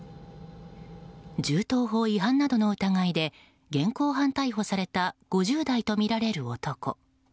銃刀法違反などの疑いで現行犯逮捕された５０代とみられる男。